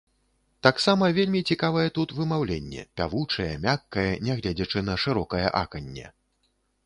Таксама вельмі цікавае тут вымаўленне, пявучае, мяккае, нягледзячы на шырокае аканне.